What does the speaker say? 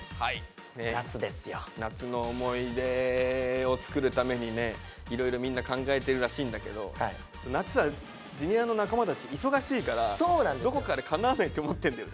夏の思い出を作るためにねいろいろみんな考えてるらしいんだけど夏はＪｒ．の仲間たち忙しいからどこかでかなわないって思ってんだよね。